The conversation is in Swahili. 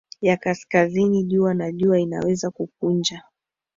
ya kaskazini jua na jua inaweza kukunja